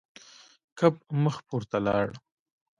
کب مخ پورته لاړ.